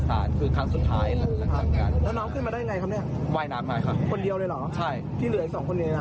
ที่เหลืออีกสองคนเดียว